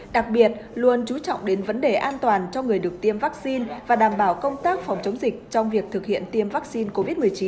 đặc biệt luôn chú trọng đến vấn đề an toàn cho người được tiêm vaccine và đảm bảo công tác phòng chống dịch trong việc thực hiện tiêm vaccine covid một mươi chín